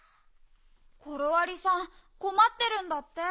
コロありさんこまってるんだって。